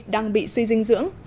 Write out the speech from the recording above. đang bị suy dinh dưỡng